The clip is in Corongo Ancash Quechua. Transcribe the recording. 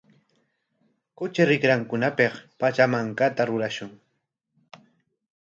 Kuchi rikrankunapik pachamankata rurashun.